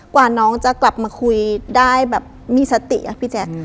กว่าน้องจะกลับมาคุยได้แบบมีสติอะพี่แจ๊ค